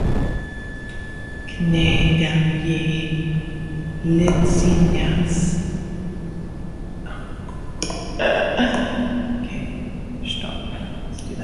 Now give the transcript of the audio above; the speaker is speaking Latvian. Knēdeļi līdzinās klimpām. Šefpavārs saimnieko virtuvē.